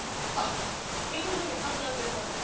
びっくりドンキーハンバーグ屋さんです。